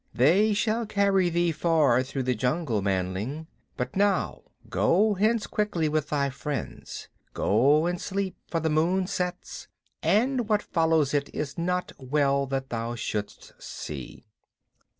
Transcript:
"They shall carry thee far through the jungle, manling. But now go hence quickly with thy friends. Go and sleep, for the moon sets, and what follows it is not well that thou shouldst see."